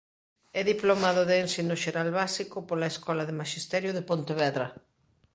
É Diplomado de Ensino Xeral Básico pola Escola de Maxisterio de Pontevedra.